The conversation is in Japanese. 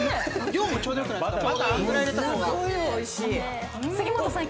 量もちょうどよくない⁉杉本さん